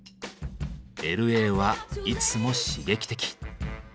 Ｌ．Ａ．はいつも刺激的。